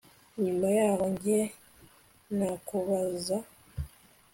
nyuma yaho njye nakubaza